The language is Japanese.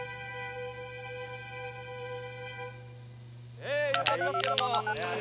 ねえ言うとりますけども。